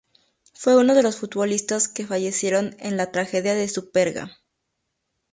Fue uno de los futbolistas que fallecieron en la Tragedia de Superga.